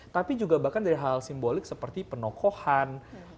tapi juga bahkan dari hal simbolik seperti penokohan